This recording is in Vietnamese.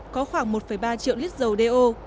có khoảng một ba triệu lít dầu do